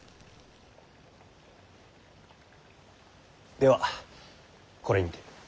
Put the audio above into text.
ではこれにて。